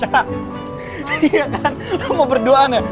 iya kan lo mau berduaan ya